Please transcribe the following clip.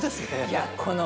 いやこの。